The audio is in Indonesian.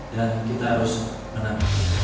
dan kita harus menang